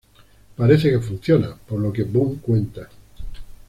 Parece que funciona, por lo que Boone cuenta.